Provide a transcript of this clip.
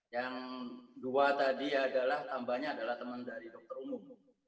yang dua tadi adalah tambahnya adalah teman dari dokter umum